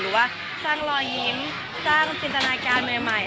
ว่าสร้างรอยยิ้มสร้างจินตนาการใหม่